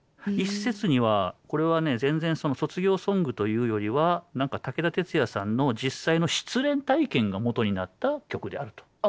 一説にはこれはね全然卒業ソングというよりは何か武田鉄矢さんの実際の失恋体験がもとになった曲であると。